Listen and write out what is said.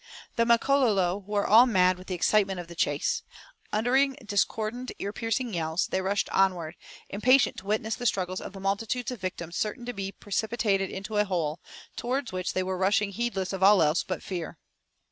The Makololo were all mad with the excitement of the chase. Uttering discordant ear piercing yells, they rushed onward, impatient to witness the struggles of the multitudes of victims certain to be precipitated into a hole, towards which they were rushing heedless of all else but fear.